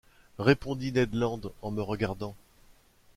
répondit Ned Land en me regardant.